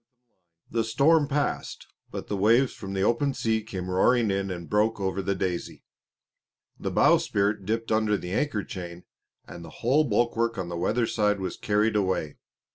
The storm passed; but the waves from the open sea came roaring in and broke over the Daisy. The bowsprit dipped under the anchor chain, and the whole bulwark on the weatherside was carried away.